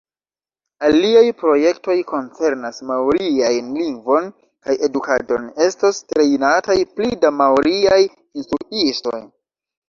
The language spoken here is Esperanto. Aliaj projektoj koncernas maoriajn lingvon kaj edukadon: estos trejnataj pli da maoriaj instruistoj.